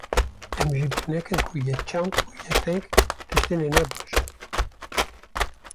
Em ji bîr nekin ku yekçand û yekreng tiştine ne baş in.